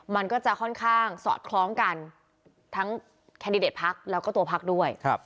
มันก็จะค่อนข้างสอดคล้องกันทั้งแคนดิเดตพักแล้วก็ตัวพักด้วย